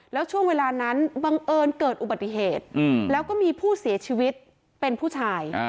แล้วช่วงเวลานั้นบังเอิญเกิดอุบัติเหตุแล้วก็มีผู้เสียชีวิตเป็นผู้ชาย